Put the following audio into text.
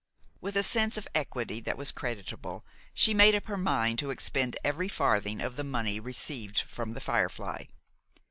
With a sense of equity that was creditable, she made up her mind to expend every farthing of the money received from "The Firefly."